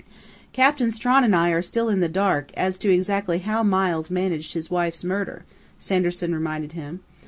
"Captain Strawn and I are still in the dark as to exactly how Miles managed his wife's murder," Sanderson reminded him.